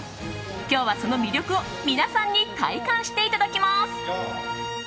今日はその魅力を皆さんに体感していただきます。